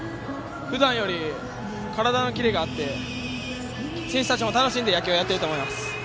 ふだんより体のキレがあって選手たちも楽しんで野球をやっていると思います。